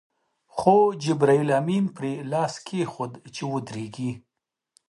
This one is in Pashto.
خو جبرائیل امین پرې لاس کېښود چې ودرېږي.